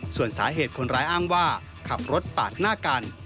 ส่วนสาเหตุคนร้ายอ้างว่าขับรถปาดหน้ากัน